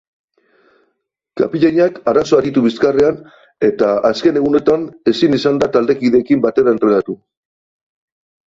Kapitainak arazoak ditu bizkarrean eta azken egunotan ezin izan da taldekideekin batera entrenatu.